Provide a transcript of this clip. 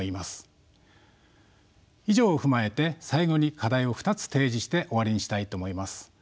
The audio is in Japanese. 以上を踏まえて最後に課題を２つ提示して終わりにしたいと思います。